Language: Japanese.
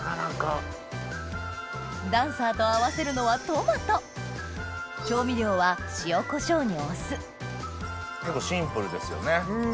ダンサーと合わせるのはトマト調味料は塩コショウにお酢結構シンプルですよね。